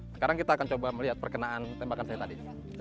sekarang kita akan coba melihat perkenaan tembakan saya tadi